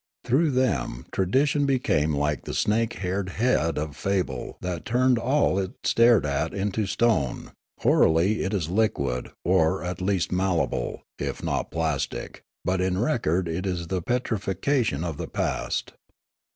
Through them tradition became like the snake haired head of fable that turned all it stared at into stone; orally it is liquid or at least malleable, if not plastic; but in record it is the petrifaction of the past.